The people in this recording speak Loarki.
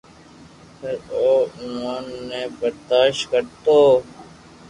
پر او اووہ ني برداݾت ڪرتو